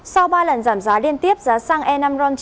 sau ba lần giảm giá liên tiếp giá xăng e năm ronzox